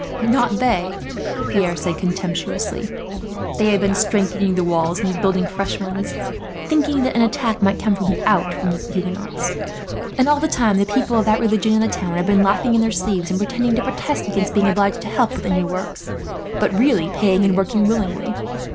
"Not they," Pierre said contemptuously. "They have been strengthening the walls and building fresh ones, thinking that an attack might come from without from the Huguenots; and all the time the people of that religion in the town have been laughing in their sleeves, and pretending to protest against being obliged to help at the new works, but really paying and working willingly.